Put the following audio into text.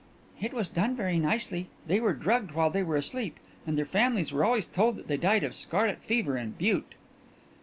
"It was done very nicely. They were drugged while they were asleep and their families were always told that they died of scarlet fever in Butte."